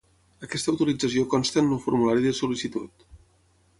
Aquesta autorització consta en el formulari de sol·licitud.